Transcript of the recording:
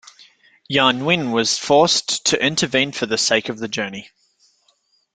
Guanyin was forced to intervene for the sake of the journey.